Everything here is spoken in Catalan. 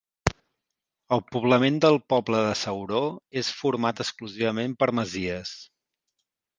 El poblament del poble de Ceuró és format exclusivament per masies.